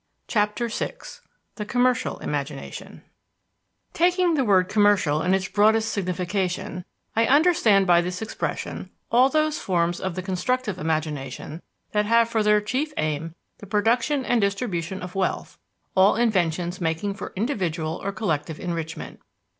CHAPTER VI THE COMMERCIAL IMAGINATION Taking the word "commercial" in its broadest signification, I understand by this expression all those forms of the constructive imagination that have for their chief aim the production and distribution of wealth, all inventions making for individual or collective enrichment.